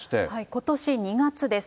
ことし２月です。